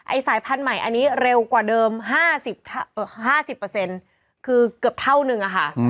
สายพันธุ์ใหม่อันนี้เร็วกว่าเดิม๕๐คือเกือบเท่านึงอะค่ะ